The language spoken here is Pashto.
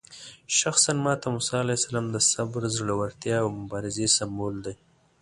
شخصاً ماته موسی علیه السلام د صبر، زړورتیا او مبارزې سمبول دی.